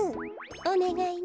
おねがいね。